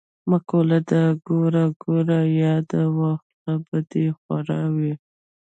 مقوله ده: ګوړه ګوړه یاده وه خوله به دی خوږه وي.